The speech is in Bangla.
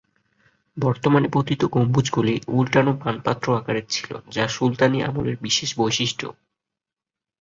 বর্তমানে পতিত গম্বুজগুলি, উল্টানো পানপাত্র আকারের ছিল যা সুলতানি আমলের বিশেষ বৈশিষ্ট্য।